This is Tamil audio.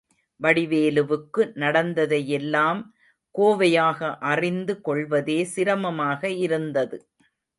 வடிவேலுவுக்கு நடந்ததையெல்லாம் கோவையாக அறிந்து கொள்வதே சிரமமாக இருந்தது.